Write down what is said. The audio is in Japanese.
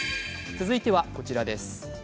続いてはこちらです。